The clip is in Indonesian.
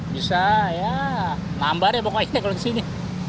bisa ya nambah deh pokoknya kalau kesini